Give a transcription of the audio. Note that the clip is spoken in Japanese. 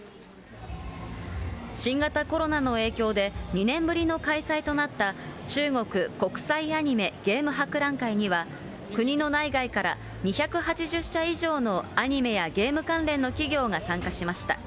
新型コロナの影響で、２年ぶりの開催となった、中国国際アニメ・ゲーム博覧会には、国の内外から２８０社以上のアニメやゲーム関連の企業が参加しました。